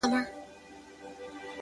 د مقدسي فلسفې د پيلولو په نيت،